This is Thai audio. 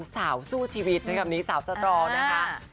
สาวสู้ชีวิตจนกับสาวสตรองนะค่ะ